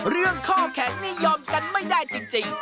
เรื่องข้อแข็งนิยมกันไม่ได้จริง